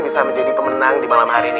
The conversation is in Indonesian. bisa menjadi pemenang di malam hari ini